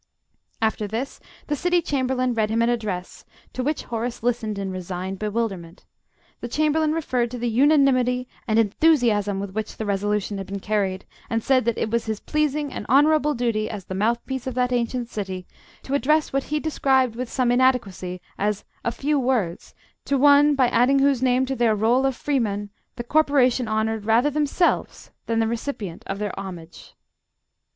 After this the City Chamberlain read him an address, to which Horace listened in resigned bewilderment. The Chamberlain referred to the unanimity and enthusiasm with which the resolution had been carried, and said that it was his pleasing and honourable duty, as the mouthpiece of that ancient City, to address what he described with some inadequacy as "a few words" to one by adding whose name to their roll of freemen the Corporation honoured rather themselves than the recipient of their homage.